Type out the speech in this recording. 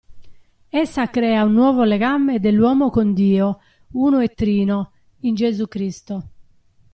Essa crea un nuovo legame dell'uomo con Dio uno e trino, in Gesù Cristo.